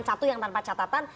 satu yang tanpa catatan